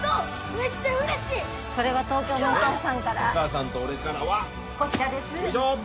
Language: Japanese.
めっちゃ嬉しいそれは東京のお父さんからお母さんと俺からはこちらですよいしょ！